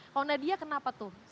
kalau nadia kenapa tuh